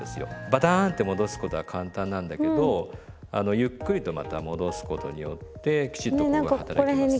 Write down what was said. バタンと戻すことは簡単なんだけどゆっくりとまた戻すことによってきちっとここが働きます。